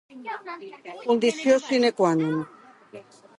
Condició sine qua non.